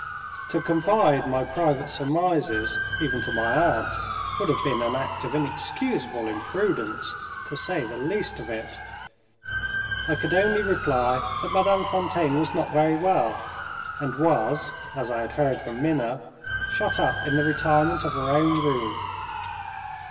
To confide my private surmises, even to my aunt, would have been an act of inexcusable imprudence, to say the least of it. I could only reply that Madame Fontaine was not very well, and was (as I had heard from Minna) shut up in the retirement of her own room.